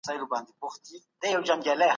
ځکه چې تدریس فکر هڅوي نو پوهنه عملي کیږي.